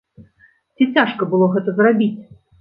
Ці цяжка было гэта зрабіць?